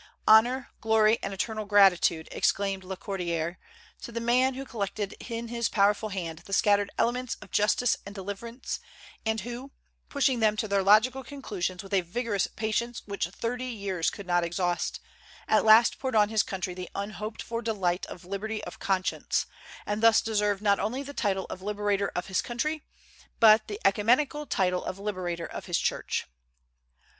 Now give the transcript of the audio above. "Honor, glory, and eternal gratitude," exclaimed Lacordaire, "to the man who collected in his powerful hand the scattered elements of justice and deliverance, and who, pushing them to their logical conclusions with a vigorous patience which thirty years could not exhaust, at last poured on his country the unhoped for delight of liberty of conscience, and thus deserved not only the title of Liberator of his Country but the oecumenical title of Liberator of his Church."